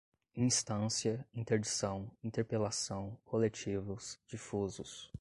instância, interdição, interpelação, coletivos, difusos